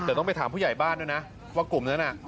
แต่ต้องไปถามผู้ใหญ่บ้านด้วยนะว่ากลุ่มนั้นน่ะ